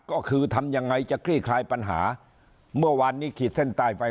ก็คือทำยังไงจะคลี่คลายปัญหาเมื่อวานนี้ขีดเส้นใต้ไป